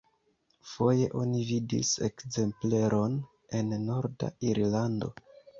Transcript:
Foje oni vidis ekzempleron en norda Irlando.